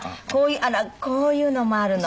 あらこういうのもあるの。